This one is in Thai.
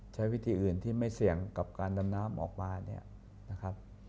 ใช้วิธีอื่นที่ไม่เสี่ยงกับการดำน้ำออกมา